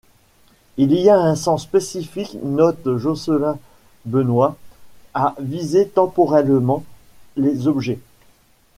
Il y a un sens spécifique note Jocelyn Benoist à viser temporellement les objets.